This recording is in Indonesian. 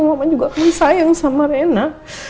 mama juga pengen sayang sama rena